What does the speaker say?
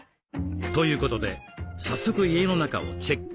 ということで早速家の中をチェック。